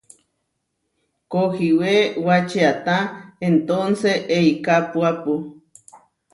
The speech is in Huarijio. Kohiwé wačiáta entónses eikapuápu.